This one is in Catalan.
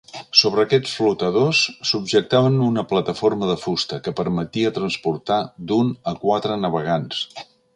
Sobre aquests flotadors, subjectaven una plataforma de fusta, que permetia transportar d'un a quatre navegants.